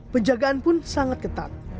penjagaan pun sangat ketat